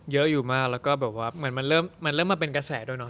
เยอะอยู่มากแล้วก็แบบว่าเหมือนมันเริ่มมาเป็นกระแสด้วยเนาะ